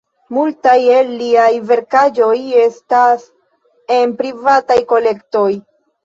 Multaj el liaj verkaĵoj estas en privataj kolektoj.